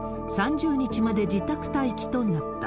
３０日まで自宅待機となった。